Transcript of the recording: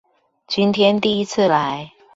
今天第一次來